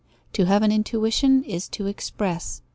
To have an intuition is to express.